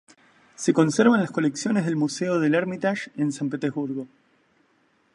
Se conserva en las colecciones del Museo del Ermitage, en San Petersburgo.